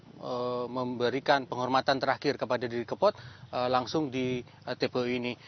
kita juga memberikan penghormatan terakhir kepada didi kempot langsung di tpu ini